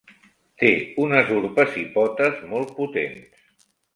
Té unes urpes i potes molt potents.